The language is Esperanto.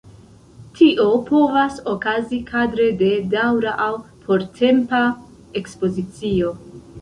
Tio povas okazi kadre de daŭra aŭ portempa ekspozicio.